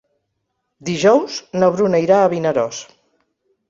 Dijous na Bruna irà a Vinaròs.